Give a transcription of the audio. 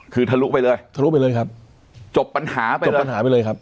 คือทะลุไปเลยทะลุไปเลยครับจบปัญหาไปจบปัญหาไปเลยครับ